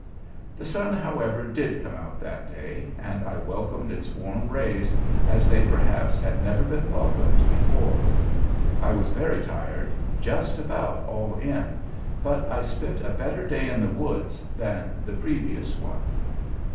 The sun, however, did come out that day, and I welcomed its warm rays as they perhaps have never been welcomed before. I was very tired just about all in but I spent a better day in the woods than the previous one.